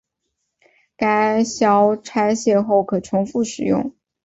该销拆卸后可重复使用。